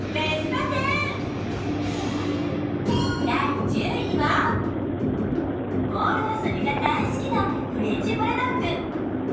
第１０位はボール遊びが大好きなフレンチ・ブルドッグ。